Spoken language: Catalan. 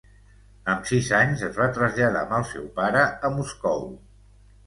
Amb sis anys es va traslladar, amb el seu pare, a Moscou.